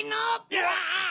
うわ！